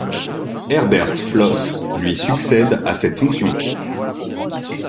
Herbert Floss lui succède à cette fonction.